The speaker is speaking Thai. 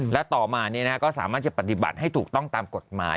และต่อมาก็สามารถจะปฏิบัติให้ถูกต้องตามกฎหมาย